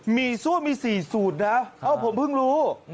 ี่ซั่วมี๔สูตรนะเอ้าผมเพิ่งรู้